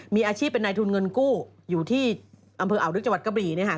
มีอาชีพเป็นนายทุนเงินกู้อยู่ที่อำเภออ่าวลึกจังหวัดกระบี่เนี่ยค่ะ